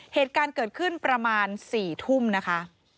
เหตุการณ์เกิดขึ้นประมาณ๔ทุ่มนะคะ